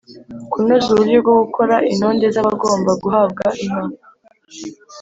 Kunoza uburyo bwo gukora intonde z ‘abagomba guhabwa inka